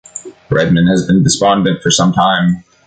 Redman had been despondent for some time.